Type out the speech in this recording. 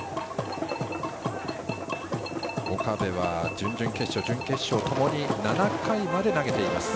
岡部は準々決勝、準決勝ともに７回まで投げています。